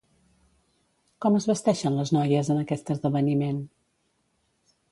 Com es vesteixen les noies en aquest esdeveniment?